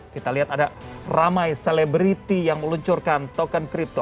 kita lihat ada ramai selebriti yang meluncurkan token crypto